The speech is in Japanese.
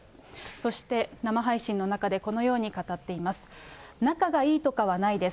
そして生配信の中でこのように語っています。